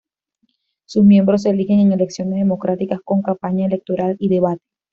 Sus miembros se eligen en elecciones democráticas, con campaña electoral y debate.